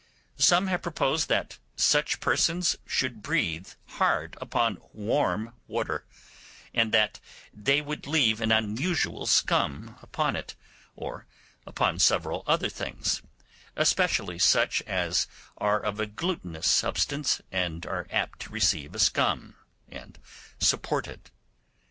Some have proposed that such persons should breathe hard upon warm water, and that they would leave an unusual scum upon it, or upon several other things, especially such as are of a glutinous substance and are apt to receive a scum and support it.